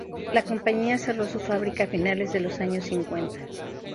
La compañía cerró su fábrica a finales de los años cincuenta.